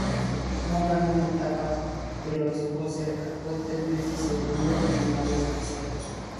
No ganó etapas pero estuvo cerca; fue tres veces segundo y una vez tercero.